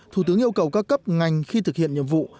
thủ tướng yêu cầu các cấp ngành khi thực hiện nhiệm vụ